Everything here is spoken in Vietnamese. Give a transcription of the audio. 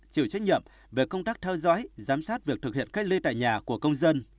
chịu trách nhiệm về công tác theo dõi giám sát việc thực hiện cách ly tại nhà của công dân